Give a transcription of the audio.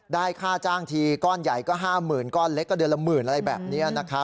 ค่าจ้างทีก้อนใหญ่ก็๕๐๐๐ก้อนเล็กก็เดือนละหมื่นอะไรแบบนี้